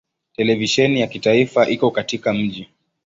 Televisheni ya kitaifa iko katika mji.